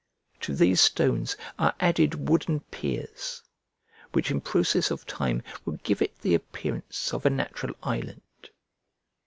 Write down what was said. To these stones are added wooden piers, which in process of time will give it the appearance of a natural island.